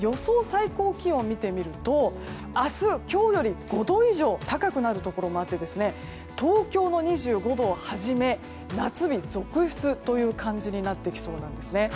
最高気温を見てみると明日、今日より５度以上高くなるところもあって東京の２５度をはじめ夏日続出という感じになってきそうですね。